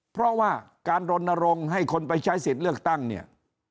เพราะว่าการรณรงค์ให้คนไปใช้สิทธิ์เลือกตั้งเนี่ย